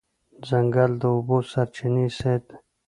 ځنګل د اوبو سرچینې ساتي.